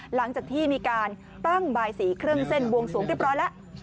หลังจากที่มีการตั้งบายสีเครื่องเส้นบวงสวงเรียบร้อยแล้ว